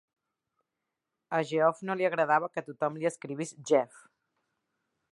A Geoff no li agradava que tothom li escrivís Jeff.